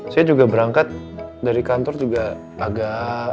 saya juga berangkat dari kantor juga agak